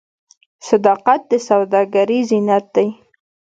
صداقت د سوداګر زینت دی.